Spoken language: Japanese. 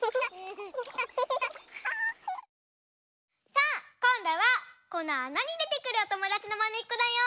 さあこんどはこのあなにでてくるおともだちのまねっこだよ！